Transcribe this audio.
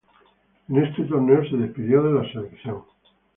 En este torneo se despidió de la selección.